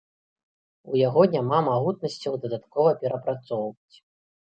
У яго няма магутнасцяў дадаткова перапрацоўваць.